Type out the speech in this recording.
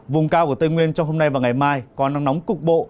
vùng cao của tây nguyên trong hôm nay và ngày mai có nắng nóng cục bộ